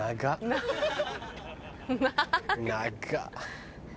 長っ。